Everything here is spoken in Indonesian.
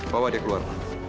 bawa dia keluar